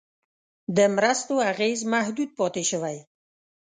د مرستو اغېز محدود پاتې شوی.